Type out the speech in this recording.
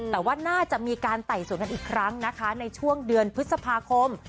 แต่ว่าน่าจะมีการไต่สวนกันอีกครั้งนะคะในช่วงเดือนพฤษภาคม